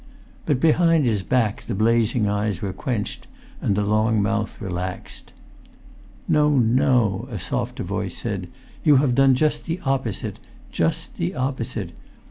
But behind his back the blazing eyes were quenched, and the long mouth relaxed. "No, no," a softer voice said; "you have done just the opposite—just the opposite.